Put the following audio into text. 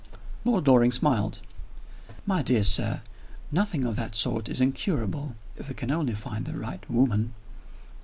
Lord Loring smiled. "My dear sir, nothing of that sort is incurable, if we can only find the right woman."